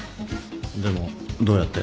でもどうやって？